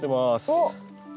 おっ。